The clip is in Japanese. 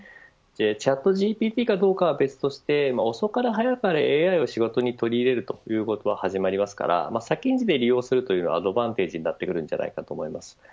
チャットＧＰＴかどうかは別として遅かれ早かれＡＩを仕事に取り入れるということは始まりますから先んじて利用するということはアドバンテージになってくると思います。